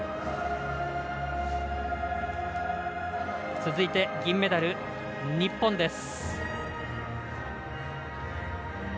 続いて銀メダル、日本です。